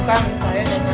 jangan kebanyakan jajan